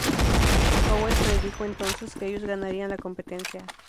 Cowell predijo entonces que ellos ganarían la competencia.